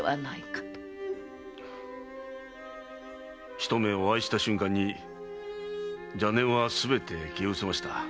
一目お会いした瞬間に邪念はすべて消え失せました。